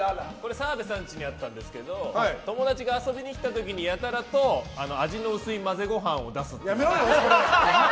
澤部さんちにあったんですけど友達が遊びに来た時にやたらと味の薄い混ぜご飯を出すっていう。